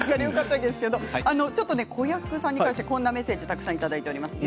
子役さんに関してメッセージをいただいています。